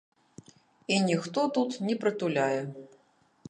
І ніхто тут не прытуляе.